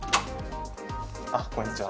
あっこんにちは。